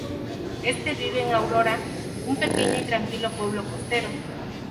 Éste vive en Aurora, un pequeño y tranquilo pueblo costero.